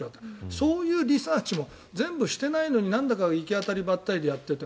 そういうリサーチも全部していないのになんだか行き当たりばったりでやっていて。